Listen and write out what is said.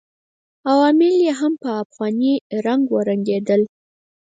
عوامل یې هم په افغاني رنګ ورنګېدل.